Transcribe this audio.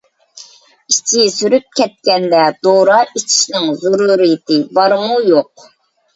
ئىچى سۈرۈپ كەتكەندە دورا ئىچىشنىڭ زۆرۈرىيىتى بارمۇ-يوق؟